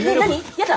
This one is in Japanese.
やだ。